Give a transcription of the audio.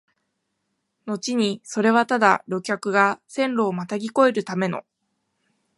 のちにそれはただ旅客が線路をまたぎ越えるための、